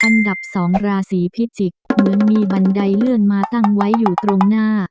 อันดับ๒ราศีพิจิกษ์เหมือนมีบันไดเลื่อนมาตั้งไว้อยู่ตรงหน้า